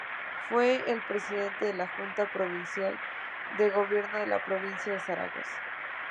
Fue el Presidente de la Junta Provincial de Gobierno de la provincia de Zaragoza.